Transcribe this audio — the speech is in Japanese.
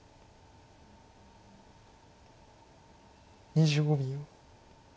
２５秒。